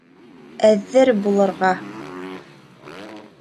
— Әҙер булырға!